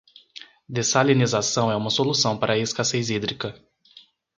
Dessalinização é uma solução para a escassez hídrica